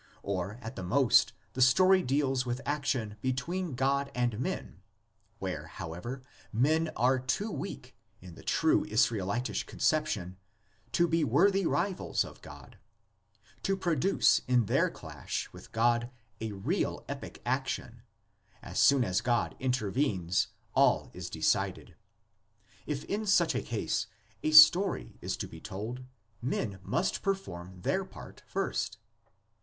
Or at the most, the story deals with action between God and men, where, however, men are too weak in the true Israelitish conception to be worthy rivals of God, to produce in their clash with God a real epic action; as soon as God intervenes all is decided. If in such a case a "story" is to be told, men must perform their part first.